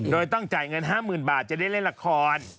โดยต้องจ่ายเงิน๕๐๐๐บาทจะได้เล่นละคร